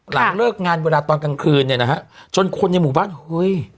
หลังเลิกงานเวลาตอนกลางคืนเนี่ยนะฮะจนคนในหมู่บ้านเฮ้ย